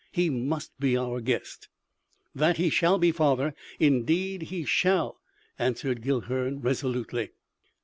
He must be our guest!" "That he shall be, father! Indeed, he shall!" answered Guilhern resolutely.